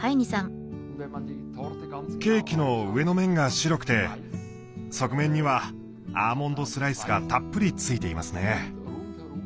ケーキの上の面が白くて側面にはアーモンドスライスがたっぷりついていますね。